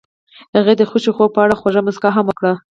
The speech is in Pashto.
هغې د خوښ خوب په اړه خوږه موسکا هم وکړه.